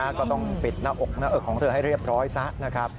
แล้วก็ต้องปิดหน้าอกหน้าอกของเธอให้เรียบร้อยซะนะครับ